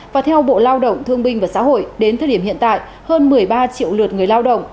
và theo bộ lao động thương binh và xã hội đến thời điểm hiện tại hơn một mươi ba triệu lượt người lao động